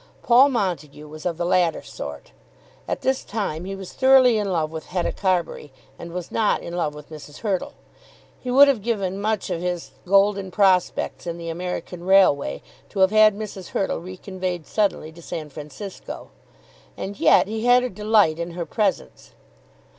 Paul Montague was of the latter sort. At this time he was thoroughly in love with Hetta Carbury, and was not in love with Mrs. Hurtle. He would have given much of his golden prospects in the American railway to have had Mrs. Hurtle reconveyed suddenly to San Francisco. And yet he had a delight in her presence.